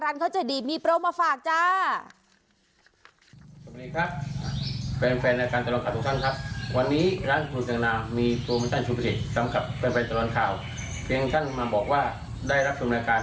ท่านขอบคุณครับ